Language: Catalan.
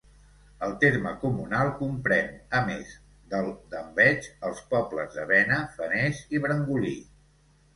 El terme comunal comprèn, a més del d'Enveig, els pobles de Bena, Feners i Brangolí.